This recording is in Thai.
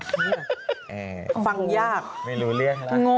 ฮือฮือฮือฮือฮือฮือฮือฮือฮือฮือฮือฮือฮือฮือฮือฮือฮือฮือฮือฮือ